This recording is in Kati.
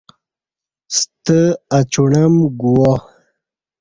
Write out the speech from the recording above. ستہ اچوݨم گوا۔